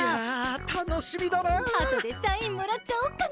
あとでサインもらっちゃおうかな！